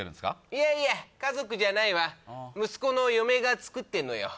いやいや家族じゃないわ息子の嫁が作ってんのよ